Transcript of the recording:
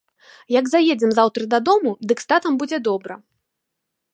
Як заедзем заўтра дадому, дык з татам будзе добра.